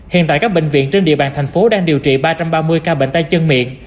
hiện tại các bệnh viện trên địa bàn thành phố đang điều trị ba trăm ba mươi ca bệnh tay chân miệng